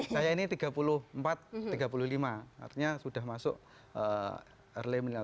saya ini tiga puluh empat tiga puluh lima artinya sudah masuk early minimal